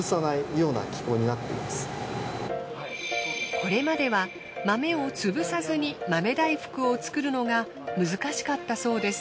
これまでは豆を潰さずに豆大福を作るのが難しかったそうです。